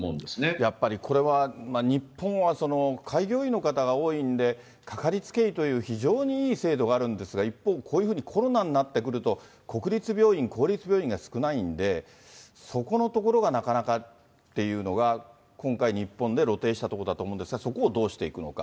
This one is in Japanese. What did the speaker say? やっぱりこれは日本は開業医の方が多いんで、かかりつけ医という非常にいい制度があるんですが、一方、こういうふうにコロナになってくると、国立病院、公立病院が少ないんで、そこのところがなかなかっていうのが、今回日本で露呈したところだと思うんですが、そこをどうしていくのか。